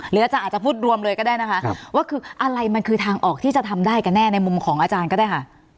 อาจารย์อาจจะพูดรวมเลยก็ได้นะคะว่าคืออะไรมันคือทางออกที่จะทำได้กันแน่ในมุมของอาจารย์ก็ได้ค่ะ